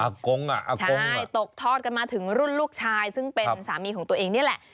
กงอ่ะอากงใช่ตกทอดกันมาถึงรุ่นลูกชายซึ่งเป็นสามีของตัวเองนี่แหละ